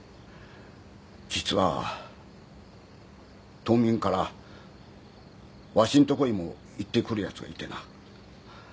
実は島民からわしんとこにも言ってくるヤツがいてな。